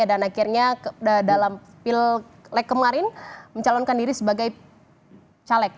dan akhirnya dalam pil kemarin mencalonkan diri sebagai caleg